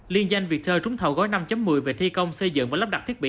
luyên danh việt tu trúng thầu gói năm một mươi về thi công xây dựng và lắp đặt thiết bị